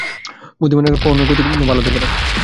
বুদ্ধিমানেরা কখনোই গতিক ভালো দেখে না।